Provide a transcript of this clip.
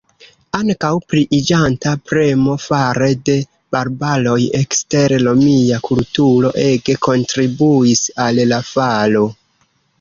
Ankaŭ pliiĝanta premo fare de "barbaroj" ekster romia kulturo ege kontribuis al la falo.